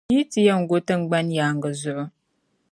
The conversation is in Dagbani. Yi yi ti yɛn go tiŋgbani yaaŋa zuɣu.